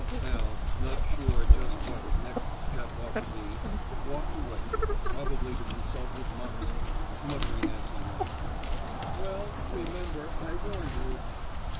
Al, not sure just what his next step ought to be, walked away, probably to consult with Moxey, muttering as he went, "Well, remember I warned you."